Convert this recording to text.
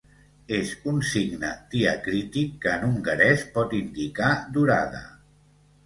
És un signe diacrític que en hongarès pot indicar durada.